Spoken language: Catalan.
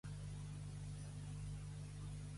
En quina altra obra es menciona Simois?